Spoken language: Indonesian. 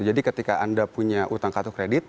jadi ketika anda punya utang kartu kredit